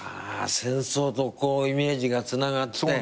戦争とイメージがつながって。